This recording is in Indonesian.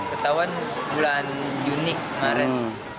ketahuan bulan juni kemarin